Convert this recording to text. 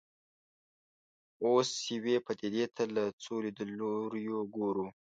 اوس یوې پدیدې ته له څو لیدلوریو ګورو.